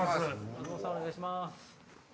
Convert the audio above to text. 松本さんお願いします。